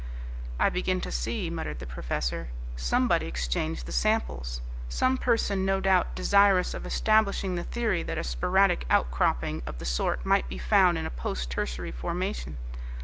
"I begin to see," muttered the professor. "Somebody exchanged the samples, some person no doubt desirous of establishing the theory that a sporadic outcropping of the sort might be found in a post tertiary formation.